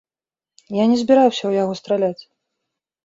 Я не збіраўся ў яго страляць.